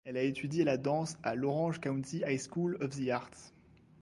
Elle a étudié la danse à l'Orange County High School of the Arts.